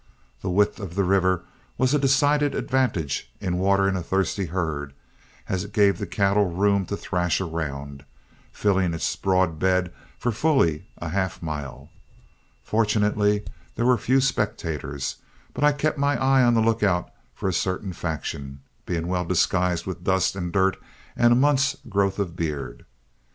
The width of the river was a decided advantage in watering a thirsty herd, as it gave the cattle room to thrash around, filling its broad bed for fully a half mile. Fortunately there were few spectators, but I kept my eye on the lookout for a certain faction, being well disguised with dust and dirt and a month's growth of beard.